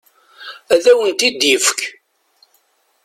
Ad awen-t-id-ifek.